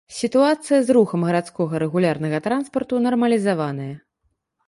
Сітуацыя з рухам гарадскога рэгулярнага транспарту нармалізаваная.